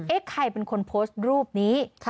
ใครเป็นคนโพสต์รูปนี้